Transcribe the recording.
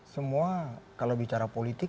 semua kalau bicara politik